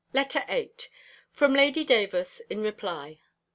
B. LETTER VIII _From Lady Davers, in reply.